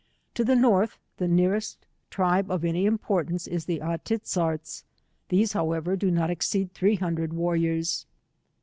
To the North the nearest tribe of any importance is the Aitizzarts ; these however do not exceed three hundred warriors.